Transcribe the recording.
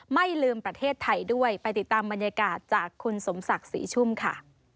ไม่ลืมประเทศไทยด้วยไปติดตามบรรยากาศจากคุณสมศักดิ์ศรีชุ่มค่ะ